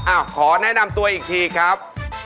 ขอแนะนำตัวอีกทีครับ